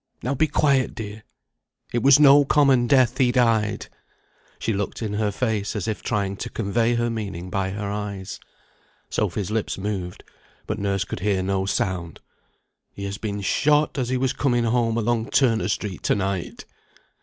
Now be quiet, dear! It was no common death he died!" She looked in her face as if trying to convey her meaning by her eyes. Sophy's lips moved, but nurse could hear no sound. "He has been shot as he was coming home along Turner Street, to night."